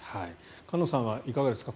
菅野さんはいかがですか？